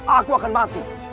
aku akan mati